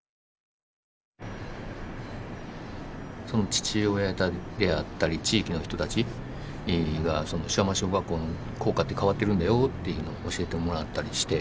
父親であったり地域の人たちが塩浜小学校の校歌って変わってるんだよっていうのを教えてもらったりして。